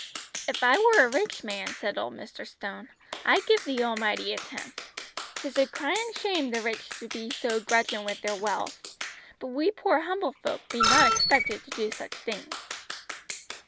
"If I were a rich man," said old Mr. Stone, "I'd give the Almighty a tenth. 'Tis a cryin' shame the rich be so grudgin' wi' their wealth; but we poor humble folk be not expected to do such things!"